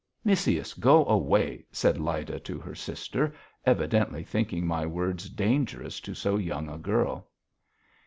"Missyuss, go away," said Lyda to her sister, evidently thinking my words dangerous to so young a girl.